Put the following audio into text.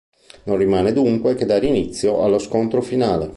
Non rimane dunque che dare inizio allo scontro finale.